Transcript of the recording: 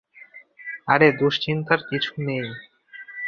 আরে দুশ্চিন্তার কিছু নেই।